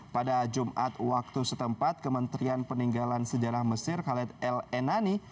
pada jumat waktu setempat kementerian peninggalan sejarah mesir khaled el enani